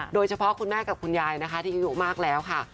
โดยเฉพาะคุณแม่กับคุณยายนะคะที่อยู่มากแล้วค่ะ